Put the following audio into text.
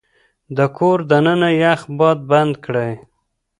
د کور دننه يخ باد بند کړئ.